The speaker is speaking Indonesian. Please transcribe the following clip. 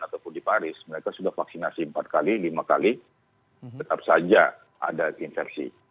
ataupun di paris mereka sudah vaksinasi empat kali lima kali tetap saja ada inversi